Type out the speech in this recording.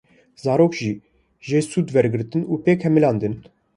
Zarok jî jê sûd werdigirtin û pê kamildibin.